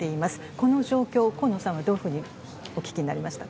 この状況、河野さんはどういうふうにお聞きになりましたか？